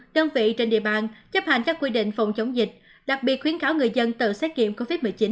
đơn vị trên địa bàn chấp hành các quy định phòng chống dịch đặc biệt khuyến cáo người dân tự xét nghiệm covid một mươi chín